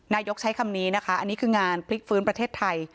ใช้คำนี้นะคะอันนี้คืองานพลิกฟื้นประเทศไทย